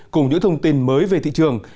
cùng những thông tin mới về thị trường